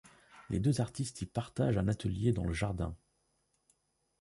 Les deux artistes y partagent un atelier dans le jardin.